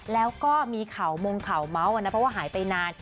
แล้วก็มีข่าวมงข่าวเมาส์นะเพราะว่าหายไปนาน